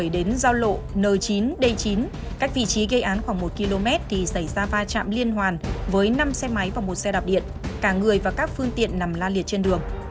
đến giao lộ n chín d chín cách vị trí gây án khoảng một km thì xảy ra va chạm liên hoàn với năm xe máy và một xe đạp điện cả người và các phương tiện nằm la liệt trên đường